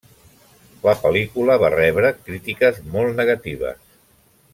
La pel·lícula va rebre crítiques molt negatives.